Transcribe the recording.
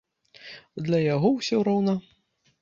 Для яго ўсё роўна.